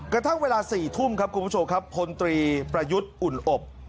กระทั่งเวลา๔ทุ่มครับคุณผู้ชมครับพลตรีประยุทธ์อุ่นอบ